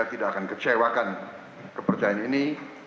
tidak akan kecewakan kepercayaan ini